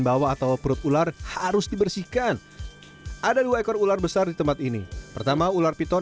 bawah atau perut ular harus dibersihkan ada dua ekor ular besar di tempat ini pertama ular piton